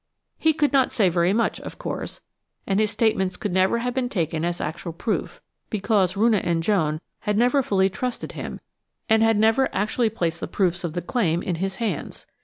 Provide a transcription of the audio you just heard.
He could not say very much, of course, and his statements could never have been taken as actual proof, because Roonah and Joan had never fully trusted him and had never actually placed the proofs of the claim in his hands.